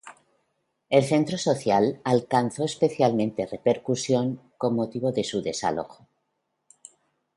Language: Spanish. El centro social alcanzó especial repercusión con motivo de su desalojo.